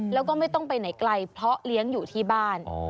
แล้วก็ไม่ต้องไปไหนไกลเพราะเลี้ยงอยู่ที่บ้าน